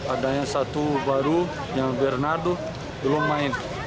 ada yang satu baru yang bernardo belum main